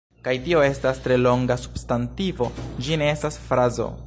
Kaj tio estas tre longa substantivo, ĝi ne estas frazo: